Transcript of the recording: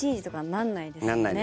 なんないですね。